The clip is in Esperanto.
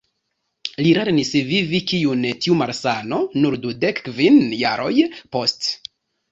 Li lernis vivi kun tiu malsano nur dudek kvin jaroj poste.